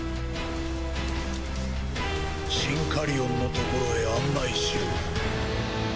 シンカリオンのところへ案内しろ。